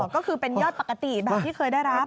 ก็คือเป็นยอดปกติแบบที่เคยได้รับ